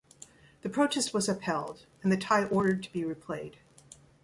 The protest was upheld and the tie ordered to be replayed.